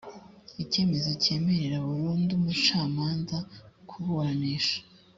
icyemezo cyemerera burundu umucamanza kuburanisha